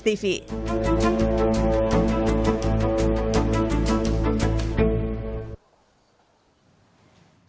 tim liputan kompas tv